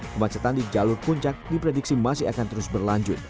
kemacetan di jalur puncak diprediksi masih akan terus berlanjut